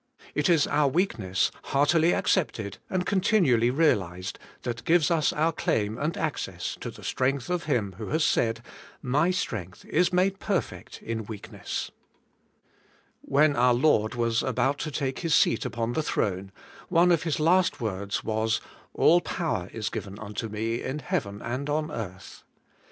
It is our weakness, heartily accepted and continually realized, that gives ns our claim and access to the strength of Him who has said, 'My strength is made perfect in weakness, ' When our Lord was about to take His seat upon the throne, one of His last words was: 'All power is given unto me in heaven and on earth.'